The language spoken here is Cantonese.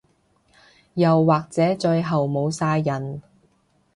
又或者最後冇晒人